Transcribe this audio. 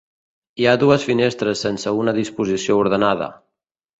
Hi ha dues finestres sense una disposició ordenada.